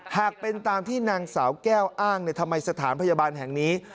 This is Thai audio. หากเป็นตามที่นางสาวแก้วอ้างทำไมสถานพยาบาลแห่งนี้